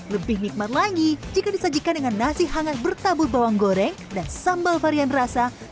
lebih nikmat lagi jika disajikan dengan nasi hangat bertabur bawang goreng dan sambal varian rasanya